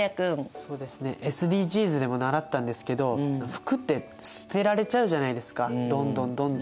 そうですねＳＤＧｓでも習ったんですけど服って捨てられちゃうじゃないですかどんどんどんどん。